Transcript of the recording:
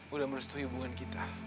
udah merestui hubungan kita